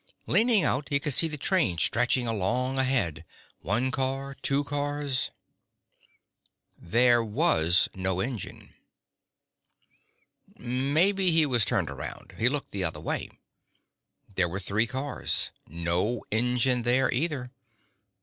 Leaning out, he could see the train stretching along ahead, one car, two cars There was no engine. Maybe he was turned around. He looked the other way. There were three cars. No engine there either.